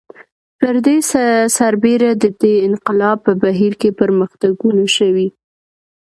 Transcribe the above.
پر دې سربېره د دې انقلاب په بهیر کې پرمختګونه شوي